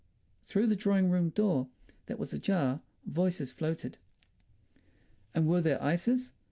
Through the drawing room door that was ajar voices floated. "And were there ices?"